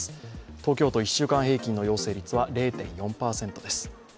東京都、１週間平均の陽性率は０．４％です。